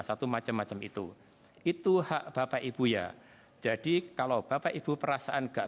saat mendengar lokasi perbicaraan secara tajam